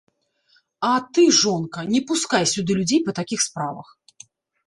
А ты, жонка, не пускай сюды людзей па такіх справах!